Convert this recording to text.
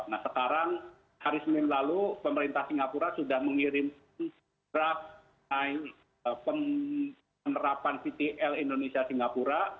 nah sekarang hari senin lalu pemerintah singapura sudah mengirim draft penerapan vtl indonesia singapura